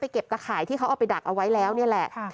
เก็บกระข่ายที่เขาเอาไปดักเอาไว้แล้วนี่แหละ